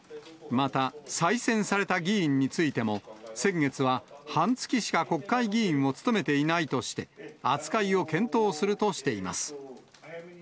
また、再選された議員についても、先月は、はんつきしか国会議員を務めていないとして、扱いを検討するとしています。